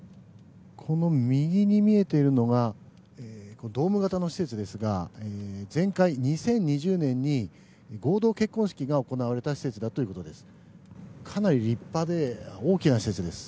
この右に見えているのがドーム型の施設ですが前回、２０２０年に合同結婚式が行われた施設だということです。